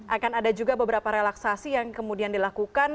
akan ada juga beberapa relaksasi yang kemudian dilakukan